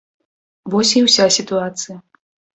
Вось і ўся сітуацыя.